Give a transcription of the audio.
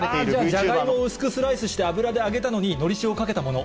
じゃあ、を薄くスライスして、油で揚げたのに、のり塩かけたもの。